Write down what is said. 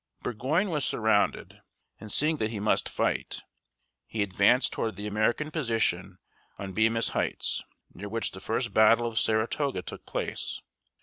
Burgoyne was surrounded, and seeing that he must fight, he advanced toward the American position on Be´mis Heights, near which the first battle of Săr a tō´ga took place.